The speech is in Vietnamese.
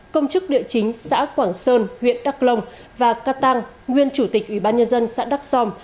công chức địa chính xã quảng sơn huyện đắk lông và ca tăng nguyên chủ tịch ủy ban nhân dân xã đắk som